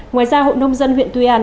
ngoài ra hội nông dân huyện tuy an